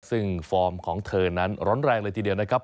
ซึ่งฟอร์มของเธอนั้นร้อนแรงเลยทีเดียวนะครับ